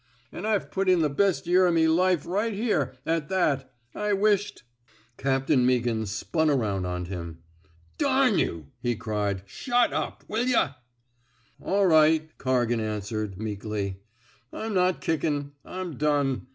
An' I've put in the best year of me life right here, at that. I wisht —" Captain Meaghan spun around on him. *' Dam you," he cried. *' Shut up, will yuhf "All right," Corrigan answered, meekly. '* I'm not kickin'. I'm done.